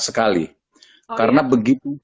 sekali karena begitu